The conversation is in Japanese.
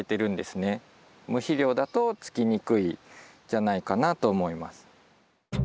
無肥料だとつきにくいんじゃないかなと思います。